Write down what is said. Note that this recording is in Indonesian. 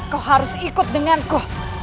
kau harus ikut denganku